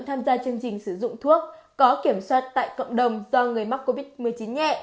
tham gia chương trình sử dụng thuốc có kiểm soát tại cộng đồng do người mắc covid một mươi chín nhẹ